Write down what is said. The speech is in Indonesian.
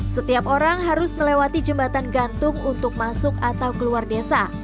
setiap orang harus melewati jembatan gantung untuk masuk atau keluar desa